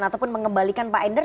ataupun mengembalikan pak endar